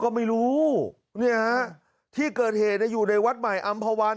ก็ไม่รู้เนี่ยฮะที่เกิดเหตุอยู่ในวัดใหม่อำภาวัน